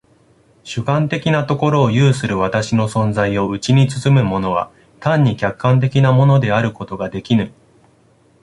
主観的なところを有する私の存在をうちに包むものは単に客観的なものであることができぬ。